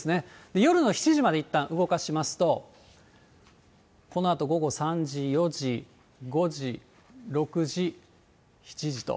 夜の７時まで、いったん動かしますと、このあと午後３時、４時、５時、６時、７時と。